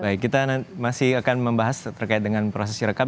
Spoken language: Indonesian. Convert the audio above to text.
baik kita masih akan membahas terkait dengan proses rekam